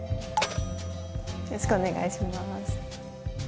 よろしくお願いします。